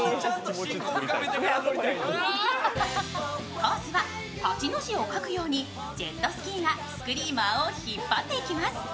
コースは８の字を描くようにジェットスキーがスクリーマーを引っ張っていきます。